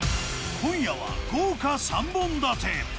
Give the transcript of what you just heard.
今夜は豪華３本立て！